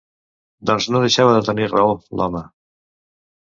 Doncs no deixava de tenir raó, l'home.